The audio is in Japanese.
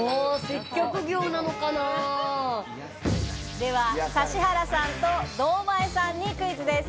では指原さんと堂前さんにクイズです。